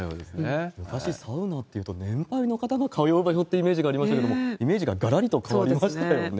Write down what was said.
昔、サウナというと年配の方が通う場所っていうイメージがありましたけれども、イメージががらりと変わりましたよね。